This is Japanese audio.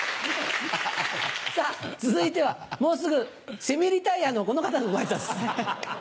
さぁ続いてはもうすぐセミリタイアのこの方のご挨拶。